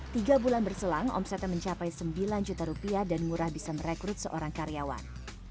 tiga bulan berselang omsetnya mencapai sembilan juta rupiah dan ngurah bisa merekrut seorang karyawan